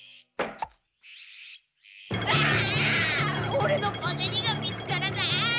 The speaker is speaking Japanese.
オレの小ゼニが見つからない！